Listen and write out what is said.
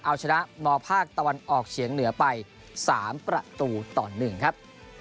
เอาชนะมภาคตะวันออกเฉียงเหนือไป๓ประตูต่อ๑ครับ